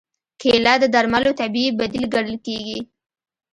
کېله د درملو طبیعي بدیل ګڼل کېږي.